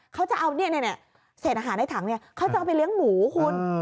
เขาจะเอาเนี่ยเนี่ยเนี่ยเศษอาหารในถังเนี่ยเขาจะเอาไปเลี้ยงหมูคุณ